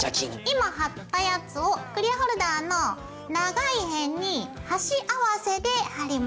今貼ったやつをクリアホルダーの長い辺に端合わせで貼ります。